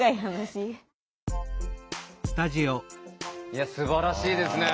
いやすばらしいですね。